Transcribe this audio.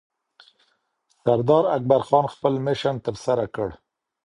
سردار اکبرخان خپل مشن ترسره کړ